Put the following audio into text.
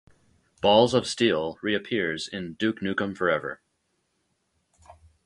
"Balls of Steel" reappears in "Duke Nukem Forever".